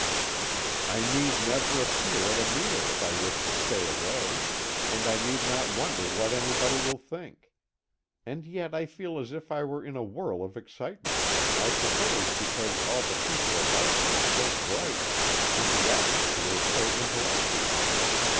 I need never appear at a meal if I wish to stay away, and I need not wonder what anybody will think. And yet I feel as if I were in a whirl of excitement, I suppose because all the people about me are so bright, and the atmosphere so intellectual.